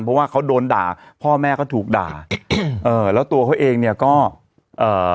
เพราะว่าเขาโดนด่าพ่อแม่ก็ถูกด่าอืมเอ่อแล้วตัวเขาเองเนี่ยก็เอ่อ